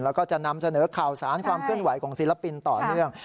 แล้วก็จะนำเสนอข่าวสารความเคลื่อนไหวของศิลปินต่อเนื่อง